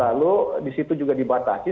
lalu disitu juga dibatasi